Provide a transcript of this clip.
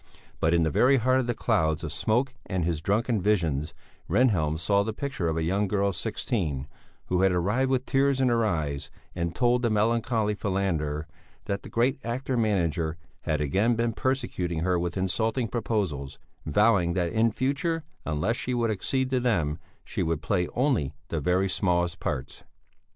But, in the very heart of the clouds of smoke and his drunken visions Rehnhjelm saw the picture of a young girl of sixteen, who had arrived with tears in her eyes, and told the melancholy Falander that the great actor manager had again been persecuting her with insulting proposals, vowing that in future, unless she would accede to them, she should play only the very smallest parts.